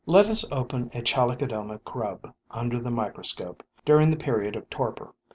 Let us open a Chalicodoma grub under the microscope, during the period of torpor.